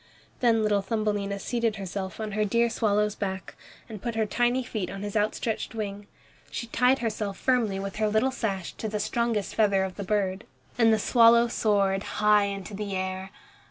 Then little Thumbelina seated herself on her dear swallow's back, and put her tiny feet on his outstretched wing. She tied herself firmly with her little sash to the strongest feather of the bird. And the swallow soared high into the air.